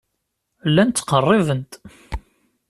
Llan ttqerriben-d.